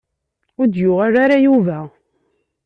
Ur d-yuɣal ara Yuba.